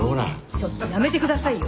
ちょっとやめて下さいよ。